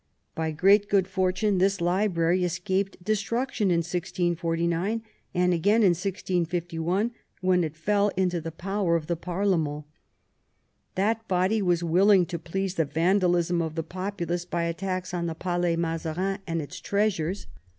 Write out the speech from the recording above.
By great good fortune this library escaped destruction in 1649, and again in 1651, when it fell into the power of the parlement. That body was willing to please the vandalism of the populace by attacks on the Palais Mazarin and its treasures.